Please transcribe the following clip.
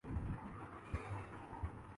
سینکڑوں لوگ اب تک مارے